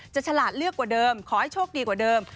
ฉลาดเลือกกว่าเดิมขอให้โชคดีกว่าเดิม